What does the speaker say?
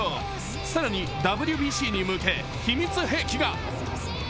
更にＷＢＣに向け、秘密兵器が。